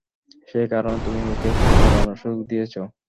সে কারণে তুমি ওকে পালানোর সুযোগ দিয়েছ।